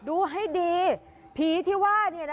โอ้เพียร์อะไรล่ะ